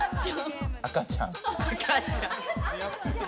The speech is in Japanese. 赤ちゃん。